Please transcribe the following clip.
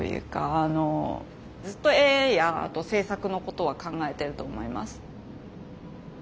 ずっと絵やあと制作のことは考えてると思います。